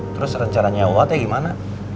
terus rencaranya wah teh gimana